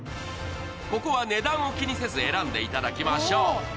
ここは値段を気にせず選んでいただきましょう。